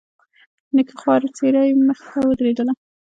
د نيکه خواره څېره يې مخې ته ودرېدله.